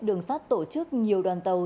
đường sắt tổ chức nhiều đoàn tàu